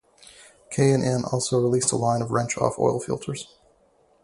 K and N also released a line of Wrench-Off oil filters.